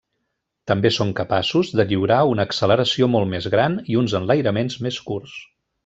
També són capaços de lliurar una acceleració molt més gran i uns enlairaments més curts.